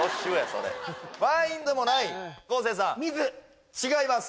ワインでもない昴生さん違います